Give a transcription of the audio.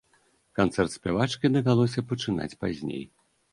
Канцэрт спявачкі давялося пачынаць пазней.